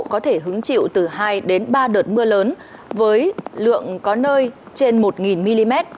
có thể hứng chịu từ hai đến ba đợt mưa lớn với lượng có nơi trên một mm